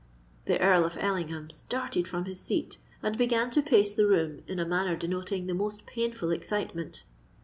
The Earl of Ellingham started from his seat, and began to pace the room in a manner denoting the most painful excitement.